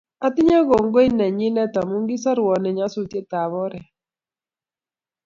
Atinye koingoi nekindet amu kisorwo eng nyasutiet ab oret